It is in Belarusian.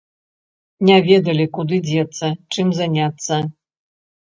Не ведалі, куды дзецца, чым заняцца.